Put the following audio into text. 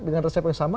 dengan resep yang sama